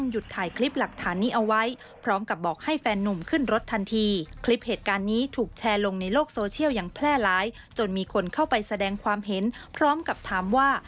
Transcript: อย่างแพร่ร้ายจนมีคนเข้าไปแสดงความเห็นพร้อมกับถามว่า